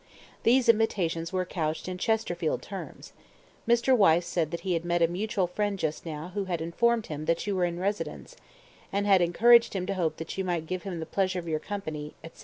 These invitations were couched in Chesterfield terms: Mr. Wyse said that he had met a mutual friend just now who had informed him that you were in residence, and had encouraged him to hope that you might give him the pleasure of your company, etc.